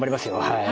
はい。